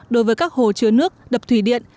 đối với các hồ chứa nước đập thủy điện